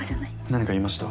何か言いました？